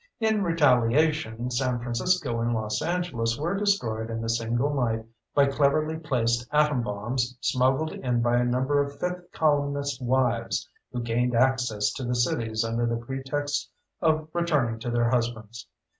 In retaliation, San Francisco and Los Angeles were destroyed in a single night by cleverly placed atom bombs smuggled in by a number of fifth columnist wives who gained access to the cities under the pretext of returning to their husbands.